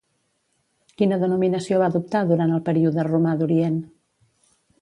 Quina denominació va adoptar durant el període romà d'Orient?